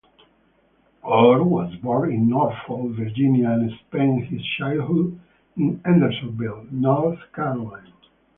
Orr was born in Norfolk, Virginia and spent his childhood in Hendersonville, North Carolina.